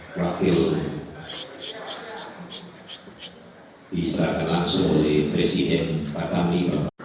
pakil israq al ansuli presiden kakami